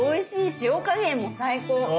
塩加減も最高！